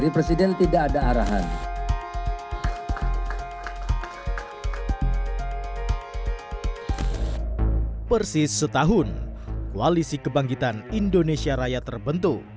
persis setahun koalisi kebangkitan indonesia raya terbentuk